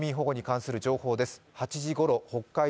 国民保護に関する情報です。